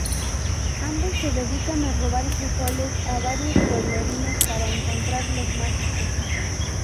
Ambos se dedican a robar frijoles a varios pueblerinos para encontrar los mágicos.